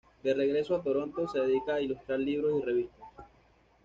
De regreso a Toronto, se dedica a ilustrar libros y revistas.